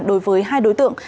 đối với hai đối tượng